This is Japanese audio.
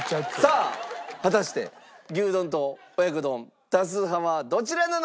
さあ果たして牛丼と親子丼多数派はどちらなのか？